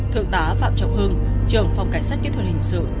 thượng tá phạm trọng hưng trường phòng cảnh sát kỹ thuật hình sự